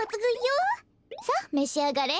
さあめしあがれ！